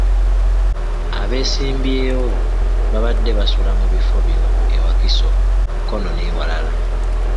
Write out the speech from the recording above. Abeesimbyewo babadde basula mu bifo bino e Wakiso, Mukono n'ewalala.